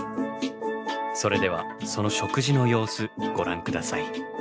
それではその食事の様子ご覧下さい。